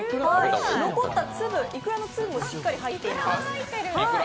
残ったいくらの粒もしっかり入っています。